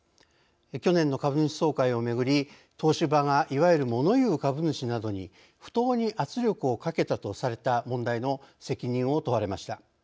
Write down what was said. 去年の株主総会をめぐり東芝がいわゆるモノ言う株主などに不当に圧力をかけたとされた問題の責任を問われました。